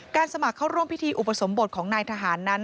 สมัครเข้าร่วมพิธีอุปสมบทของนายทหารนั้น